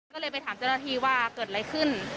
ก็เลยไปถามเจ้าหน้าที่ว่าเกิดอะไรขึ้น